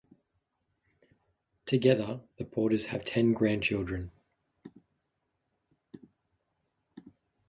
Together, the Porters have ten grandchildren.